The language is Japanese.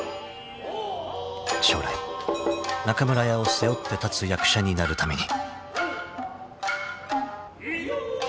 ［将来中村屋を背負って立つ役者になるために］